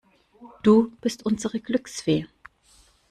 Du bist unsere Glücksfee.